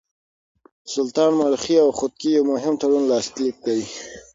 سلطان ملخي او خودکي يو مهم تړون لاسليک کړ.